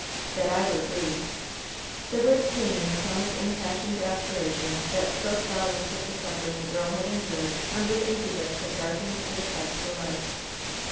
"That I were free !" The words came in a tone of impassioned aspiration that spoke volumes of the suffering the girl had endured under the incubus that darkened and oppressed her life.